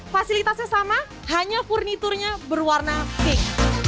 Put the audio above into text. fasilitasnya sama hanya furniturnya berwarna pink